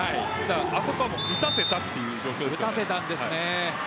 あそこは打たせたという状況です。